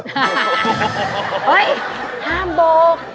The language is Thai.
เฮ่ยห้ามบอก